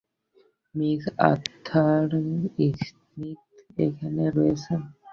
Miss Arthur Smith এখানে রয়েছেন।